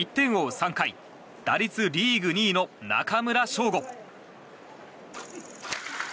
３回打率リーグ２位の中村奨吾。